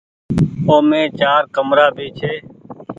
اومي چآر ڪمرآ ڀي ڇي۔